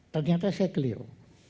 ternyata saya keliru